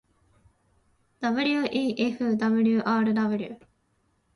wefwrw